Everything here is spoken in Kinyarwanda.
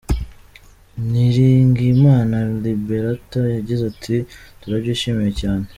Niringiyimana Liberatha yagize ati “ Turabyishimiye cyane.